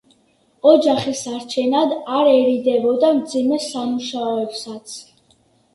ოჯახის სარჩენად არ ერიდებოდა მძიმე სამუშაოებსაც.